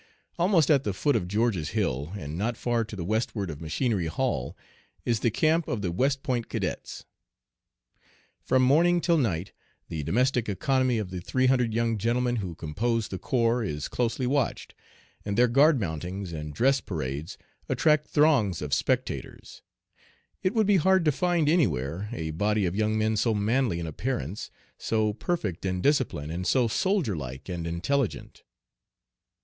"ALMOST at the foot of George's Hill, and not far to the westward of Machinery Hall, is the camp of the West Point cadets. From morning till night the domestic economy of the three hundred young gentlemen who compose the corps is closely watched, and their guard mountings and dress parades attract throngs of spectators. It would be hard to find anywhere a body of young men so manly in appearance, so perfect in discipline, and so soldier like and intelligent.